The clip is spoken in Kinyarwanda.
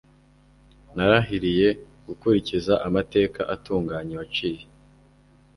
Narahiriye gukurikiza amateka atunganye waciye